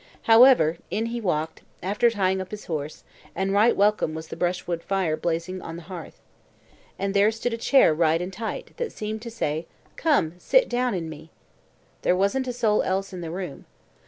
However, in he walked, after tying up his horse, and right welcome was the brushwood fire blazing on the hearth. And there stood a chair right and tight, that seemed to say, "Come, sit down in me." There wasn't a soul else in the room.